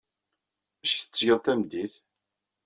D acu ay tettgeḍ tameddit?